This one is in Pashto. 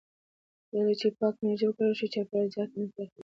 کله چې پاکه انرژي وکارول شي، چاپېریالي زیان نه پراخېږي.